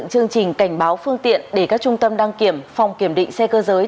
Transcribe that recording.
chương trình cảnh báo phương tiện để các trung tâm đăng kiểm phòng kiểm định xe cơ giới